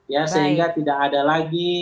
ya sehingga tidak ada lagi